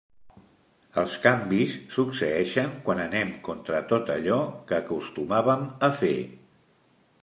Els canvis succeeixen quan anem contra tot allò que acostumàvem a fer.